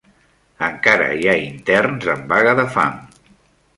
Encara hi ha interns en vaga de fam